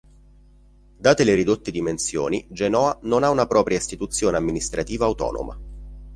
Date le ridotte dimensioni Genoa non ha una propria istituzione amministrativa autonoma.